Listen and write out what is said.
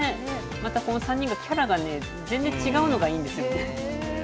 またこの３人が、キャラが全然違うのがいいんですよ。